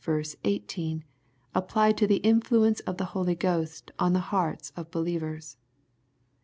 18, applied to the influence of the Holy Ghost on the hearts of beUevers.